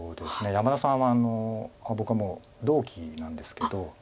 山田さんは僕はもう同期なんですけど。